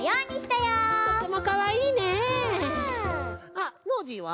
あっノージーは？